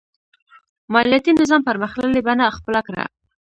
مالیاتي نظام پرمختللې بڼه خپله کړه.